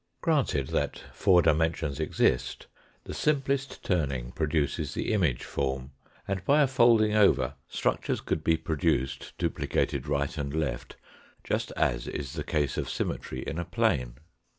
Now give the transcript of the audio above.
Granted that four dimensions exist, the simplest turning produces the image form, and by a folding over structures could be produced, duplicated right and left, just as is the case of symmetry in a plane.